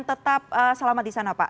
dan tetap selamat di sana pak